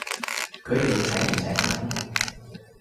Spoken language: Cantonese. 佢哋請唔請人？